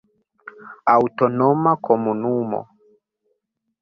Aŭtonoma Komunumo.